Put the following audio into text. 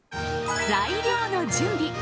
材料の準備。